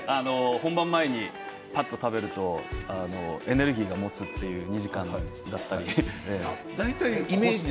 本番前にぱっと食べるとエネルギーが持つというか２時間というか。